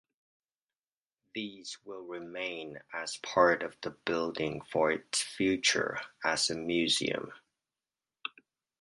These will remain as part of the building for its future as a museum.